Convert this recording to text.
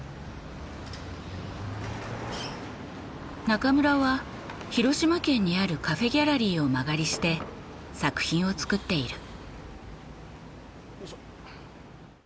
中村は広島県にあるカフェギャラリーを間借りして作品を作っている。